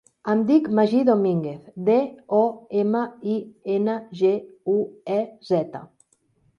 Em dic Magí Dominguez: de, o, ema, i, ena, ge, u, e, zeta.